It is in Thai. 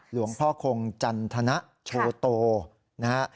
หลวงพ่อคงจันทนะโชโตนะฮะ